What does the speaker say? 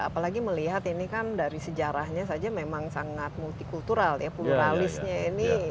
apalagi melihat ini kan dari sejarahnya saja memang sangat multikultural ya pluralisnya ini